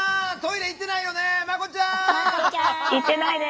行ってないです！